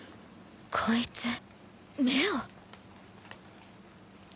こいつ目を！